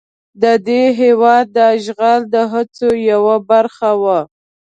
د دې هېواد د اشغال د هڅو یوه برخه وه.